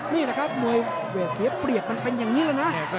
นี่แหละครับมวยเวทเสียเปรียบมันเป็นอย่างนี้เลยนะ